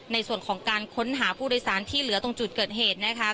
ในส่วนของการค้นหาผู้โดยสารที่เหลือตรงจุดเกิดเหตุนะคะ